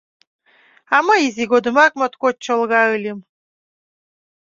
А мый изи годымак моткоч чолга ыльым.